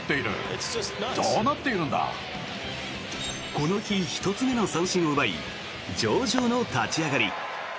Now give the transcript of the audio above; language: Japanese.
この日１つ目の三振を奪い上々の立ち上がり。